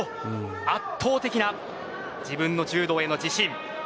圧倒的な自分の柔道への自信。